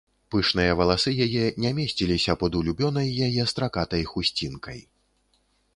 Пышныя валасы яе не месціліся пад улюбёнай яе стракатай хусцінкай.